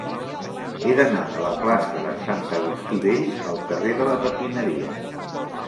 He d'anar de la plaça de Sant Agustí Vell al carrer de la Tapineria.